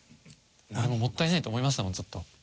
もったいないと思いましたもんちょっと。